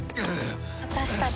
私たち